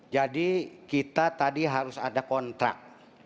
jadi kita tadi harus ada kontrak